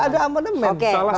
tidak ada amonemen